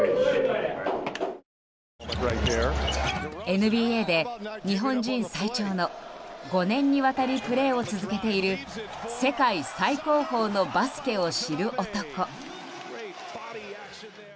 ＮＢＡで日本人最長の５年にわたりプレーを続けている世界最高峰のバスケを知る男。